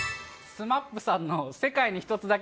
ＳＭＡＰさんの世界に一つだ